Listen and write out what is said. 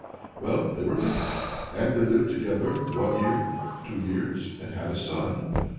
Well, they were married, and they lived together one year, two years, and had a son.